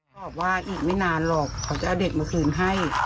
บอกว่าอีกไม่นานหรอกเขาจะเอาเด็กมาคืนให้